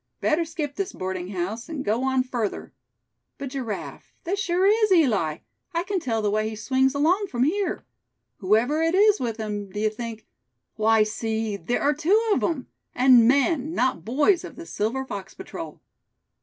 Better skip this boarding house, and go on further. But Giraffe, that sure is Eli; I c'n tell the way he swings along from here. Whoever is it with him, d'ye think; why, see, there are two of 'em, and men, not boys of the Silver Fox Patrol?"